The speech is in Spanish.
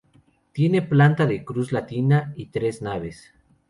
Tiene planta de cruz latina y tres naves.